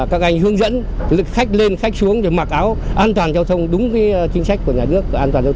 các anh hướng dẫn khách lên khách xuống để mặc áo an toàn giao thông đúng với chính trách của nhà nước